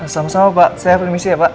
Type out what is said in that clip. sama sama pak saya permisi ya pak